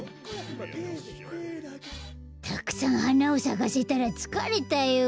たくさんはなをさかせたらつかれたよ。